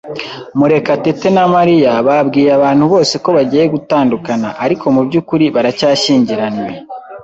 Murekatete na Mariya babwiye abantu bose ko bagiye gutandukana, ariko mu byukuri baracyashyingiranywe.